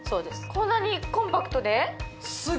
こんなにコンパクトで？